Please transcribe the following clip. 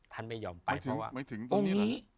ท่านไม่ยอมไปเพราะว่าตรงนี้